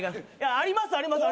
ありますあります。